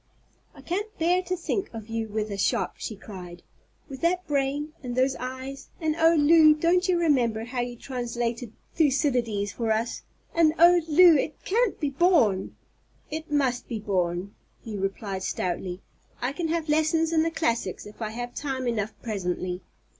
"I can't bear to think of you with a shop," she cried, "with that brain and those eyes. And oh, Lew! don't you remember how you translated Thucydides for us? And—oh, Lew, it can't be borne." "It must be borne," he replied stoutly. "I can have lessons in the classics if I have time enough presently.